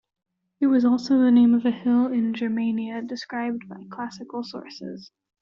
It was also the name of a hill in Germania described by classical sources.